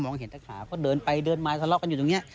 เห็นแต่ขาก็เดินไปเดินมาทะเลาะกันอยู่ตรงนี้